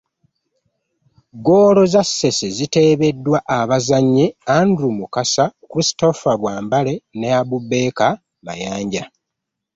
Ggoolo za Ssese ziteebeddwa abazannyi; Andrew Mukasa, Christopher Bwambale ne Abubaker Mayanja